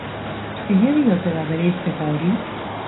Zilegi ote da bereizketa hori?